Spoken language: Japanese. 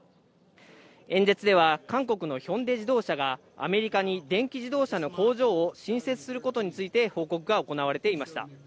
演説では韓国のヒョンデ自動車がアメリカに電気自動車の工場を新設することについて報告が行われていました。